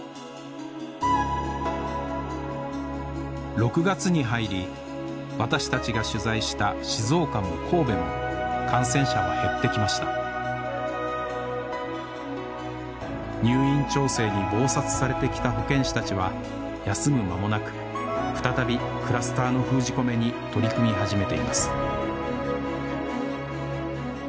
６月に入り私たちが取材した静岡も神戸も感染者は減ってきました入院調整に忙殺されてきた保健師たちは休む間もなく再びクラスターの封じ込めに取り組み始めています